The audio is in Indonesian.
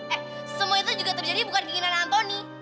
eh semua itu juga terjadi bukan keinginan antoni